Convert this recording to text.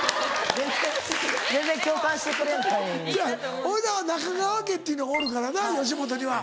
俺らは中川家っていうのがおるからな吉本には。